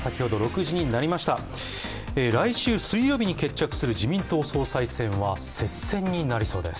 来週水曜日に決着する自民党総裁選は接戦になりそうです。